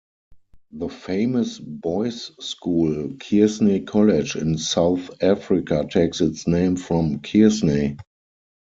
The famous boys' school Kearsney College in South Africa takes its name from Kearsney.